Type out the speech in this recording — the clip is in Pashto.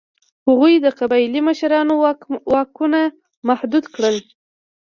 هغوی د قبایلي مشرانو واکونه محدود کړل.